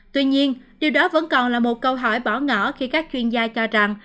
tuy nhiên điều đó vẫn còn là một câu hỏi bỏ ngỏ khi các chuyên gia cho rằng